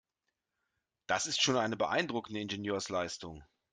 Das ist schon eine beeindruckende Ingenieursleistung.